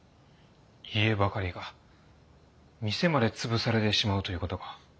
家ばかりか店まで潰されてしまうという事か。